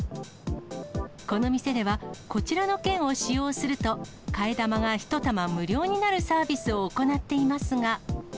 この店では、こちらの券を使用すると、替え玉が１玉無料になるサービスを行っていますが。